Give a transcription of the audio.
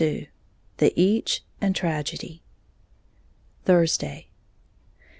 XXII THE EECH, AND TRAGEDY _Thursday.